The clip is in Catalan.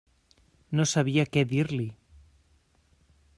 No sabia què dir-li.